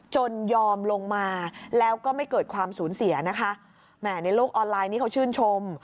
จนยอมลงมาแล้วก็ไม่เกิดความสูญเสียนะคะแหมในโลกออนไลน์นี่เขาชื่นชม